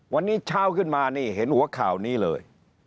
วันนี้เช้าขึ้นมานี่เห็นหัวข่าวนี้เลย